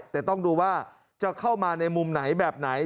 แต่ต้องดูว่าจะเข้ามาในมุมไหนแบบไหน